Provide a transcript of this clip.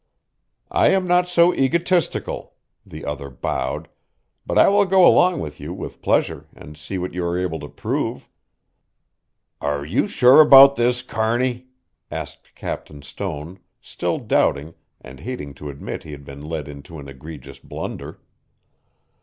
"I am not so egotistical," the other bowed, "but I will go along with you with pleasure and see what you are able to prove." "Are you sure about this, Kearney?" asked Captain Stone, still doubting and hating to admit he had been led into an egregious blunder.